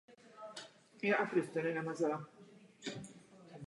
O tomto kosmodromu bylo známo mnohem méně informací než o Bajkonuru.